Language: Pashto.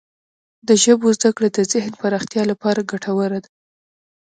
د ژبو زده کړه د ذهن پراختیا لپاره ګټوره ده.